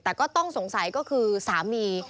แต่ก็ต้องสงสัยก็คือสามี